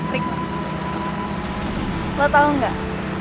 rik lo tau gak